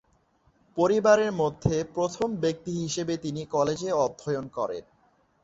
পরিবারের মধ্যে প্রথম ব্যক্তি হিসেবে তিনি কলেজে অধ্যয়ন করেন।